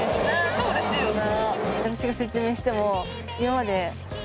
超うれしいよね。